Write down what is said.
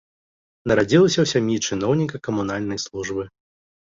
Нарадзілася ў сям'і чыноўніка камунальнай службы.